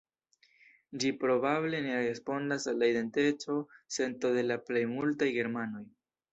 Ĝi probable ne respondas al la identeco-sento de la plej multaj germanoj.